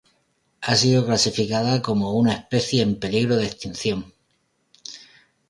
Ha sido clasificada como una especie en peligro de extinción.